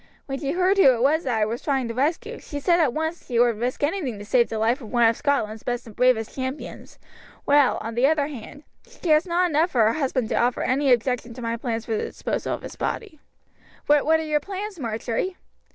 When she heard who it was that I was trying to rescue, she said at once she would risk anything to save the life of one of Scotland's best and bravest champions; while, on the other hand, she cares not enough for her husband to offer any objection to my plans for the disposal of his body." "But what are your plans, Marjory?"